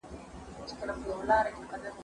کېدای سي تکړښت ستونزي ولري!.